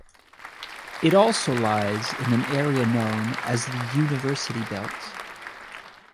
It also lies in an area known as the University Belt.